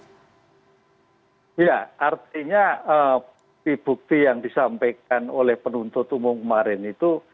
ya artinya bukti bukti yang disampaikan oleh penuntut umum kemarin itu